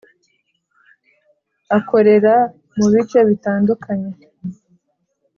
akorera mubice bitandukanye